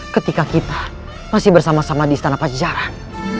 ketika kita masih bersama sama di istana pajaan